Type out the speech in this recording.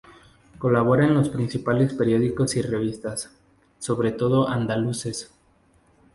Colabora en los principales periódicos y revistas, sobre todo andaluces.